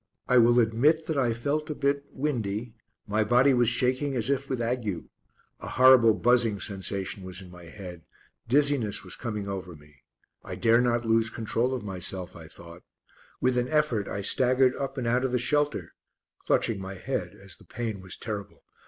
I will admit that I felt a bit "windy," my body was shaking as if with ague; a horrible buzzing sensation was in my head, dizziness was coming over me. I dare not lose control of myself, I thought; with an effort I staggered up and out of the shelter, clutching my head as the pain was terrible.